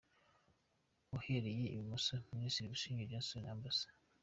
Uhereye ibumoso: Minisitiri Busingye Jonston, Amb.